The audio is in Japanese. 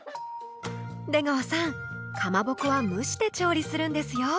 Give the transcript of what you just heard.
出川さんかまぼこは蒸して調理するんですよ。